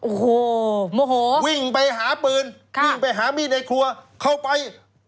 โอ้โหโมโหวิ่งไปหาปืนวิ่งไปหามีดในครัวเข้าไป